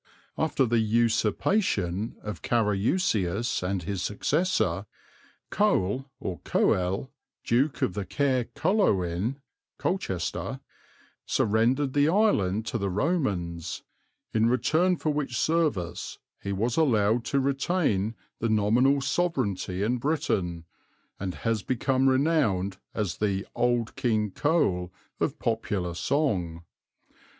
After the usurpation of Carausius and his successor, Cole or Coel, Duke of Kaer Coloin (Colchester), surrendered the island to the Romans, "in return for which service he was allowed to retain the nominal sovereignty in Britain, and has become renowned as the 'Old King Cole' of popular song.